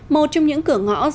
một trong những cửa ngõ giá trị